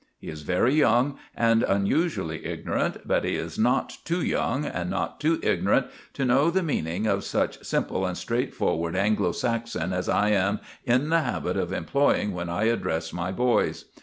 He is very young, and unusually ignorant, but he is not too young, and not too ignorant to know the meaning of such simple and straightforward Anglo Saxon as I am in the habit of employing when I address my boys.